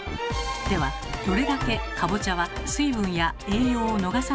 ではどれだけかぼちゃは水分や栄養を逃さないのか？